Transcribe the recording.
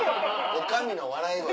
女将の笑い声。